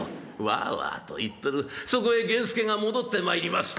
わわと言っとるそこへ源助が戻ってまいります。